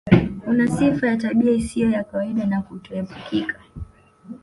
Una sifa ya tabia isiyo ya kawaida na kutoepukika